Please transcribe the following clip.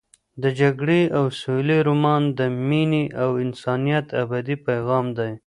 د جګړې او سولې رومان د مینې او انسانیت ابدي پیغام دی.